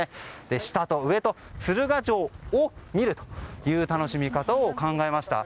下と上から鶴ヶ城を見るという楽しみ方を考えました。